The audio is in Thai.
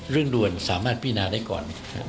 เรื่องด่วนสามารถพินาได้ก่อน